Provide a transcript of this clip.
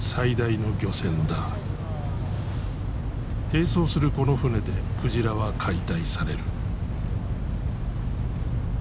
併走するこの船で鯨は解体される。